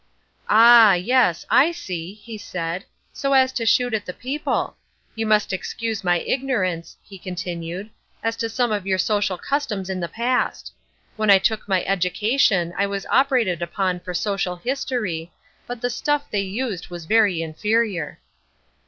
"Ah, yes, I see," he said, "so as to shoot at the people. You must excuse my ignorance," he continued, "as to some of your social customs in the past. When I took my education I was operated upon for social history, but the stuff they used was very inferior."